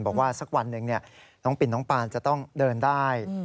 บอกว่าสักวันหนึ่งน้องปินน้องปานจะต้องเดินได้